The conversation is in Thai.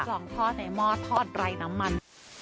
ลองทอดในหม้อทอดไรน้ำมัน